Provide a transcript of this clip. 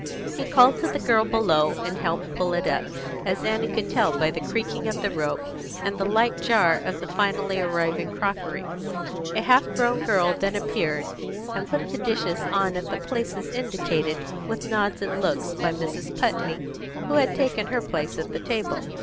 He called to the girl below, and helped pull it up, as Annie could tell by the creaking of the rope, and the light jar of the finally arriving crockery. A half grown girl then appeared, and put the dishes on at the places indicated with nods and looks by Mrs. Putney, who had taken her place at the table.